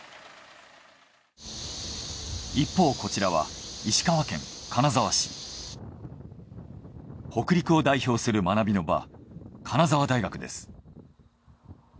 一方こちらは北陸を代表する学びの場金沢大学です。